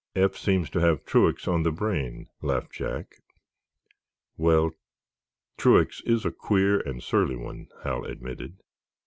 "Eph seems to have Truax on the brain," laughed Jack. "Well, Truax is a queer and surly one," Hal admitted.